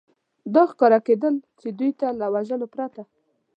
دا ښکاره کېدل، چې دوی ته له وژلو پرته.